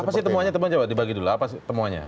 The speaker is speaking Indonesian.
apa sih temuannya temuan dibagi dulu apa temuannya